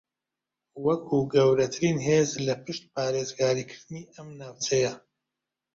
وەکو گەورەترین ھێز لە پشت پارێزگاریکردنی ئەم ناوچەیە